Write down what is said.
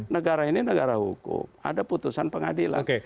negara ini negara hukum ada putusan pengadilan